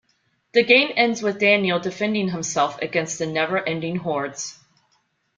The game ends with Daniel defending himself against the never-ending hordes.